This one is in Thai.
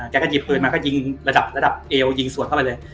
แล้วก็ยิงฝืนมาก็ยิงระดับเอวยิงสวดเข้าไปเลย